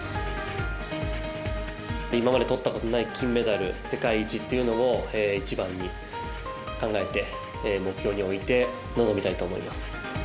今までとったことのない金メダル、世界一というのを一番に考えて、目標に置いて臨みたいと思います。